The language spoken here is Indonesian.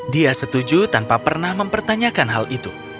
dia setuju tanpa pernah mempertanyakan hal itu